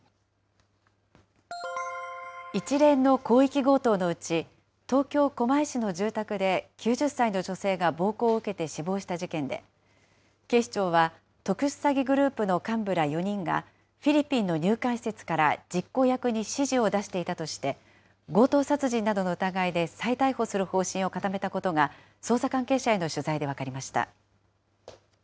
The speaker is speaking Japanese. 一連の広域強盗のうち、東京・狛江市の住宅で９０歳の女性が暴行を受けて死亡した事件で、警視庁は、特殊詐欺グループの幹部ら４人が、フィリピンの入管施設から実行役に指示を出していたとして、強盗殺人などの疑いで再逮捕する方針を固めたことが、捜査関係者への取材で分かりました。